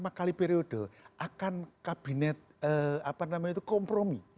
akan kabinet kompromi